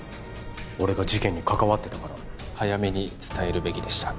俺が事件に関わってたから早めに伝えるべきでした